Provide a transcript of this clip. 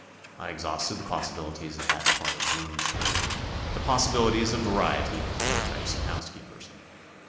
I exhausted the possibilities of that part of Bloomsbury, the possibilities of variety in the types of housekeepers.